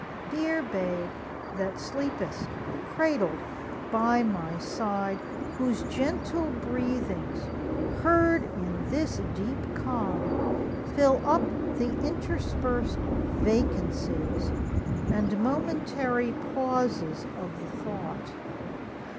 Dear Babe, that sleepest cradled by my side, Whose gentle breathings, heard in this deep calm, Fill up the interspersed vacancies And momentary pauses of the thought!